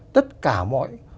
tất cả mọi